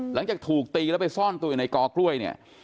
หลังจากถูกตีแล้วไปซ่อนตัวอยู่ในกอกล้วยเนี่ย